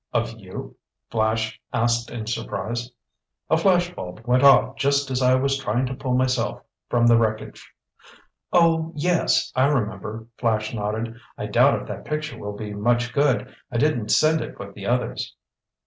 "Of you?" Flash asked in surprise. "A flash bulb went off just as I was trying to pull myself from the wreckage." "Oh, yes, I remember," Flash nodded. "I doubt if that picture will be much good. I didn't send it with the others."